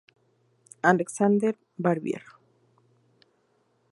Alexander Barbier.